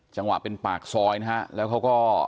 จังหวะเป็นปากซอยนะฮะแล้วเขาก็